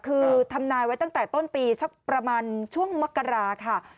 คือทำนายไว้ตั้งแต่ต้นปีสักประมาณช่วงมกราค่ะ